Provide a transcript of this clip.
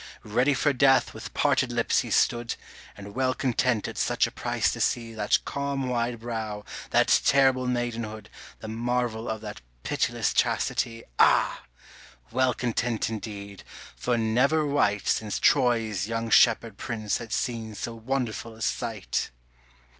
Ready for death with parted lips he stood, And well content at such a price to see That calm wide brow, that terrible maidenhood, The marvel of that pitiless chastity, Ah! well content indeed, for never wight Since Troy's young shepherd prince had seen so wonderful a sight.